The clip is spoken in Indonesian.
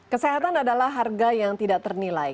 kesehatan adalah harga yang tidak ternilai